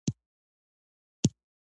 کونډې او صدک بيا نرمه غاړه ورسره راواخيسته.